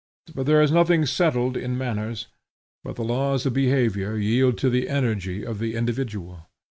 For there is nothing settled in manners, but the laws of behavior yield to the energy of the individual.